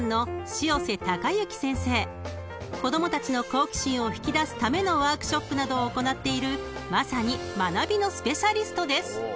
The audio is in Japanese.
［子供たちの好奇心を引き出すためのワークショップなどを行っているまさに学びのスペシャリストです］